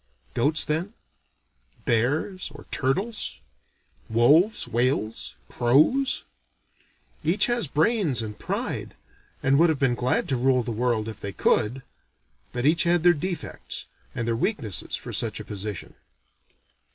Goats, then? Bears or turtles? Wolves, whales, crows? Each had brains and pride, and would have been glad to rule the world if they could; but each had their defects, and their weaknesses for such a position.